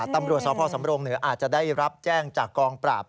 ตำรวจสพสำรงเหนืออาจจะได้รับแจ้งจากกองปราบ